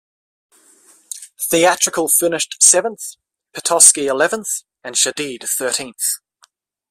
Theatrical finished seventh, Petoski eleventh and Shadeed thirteenth.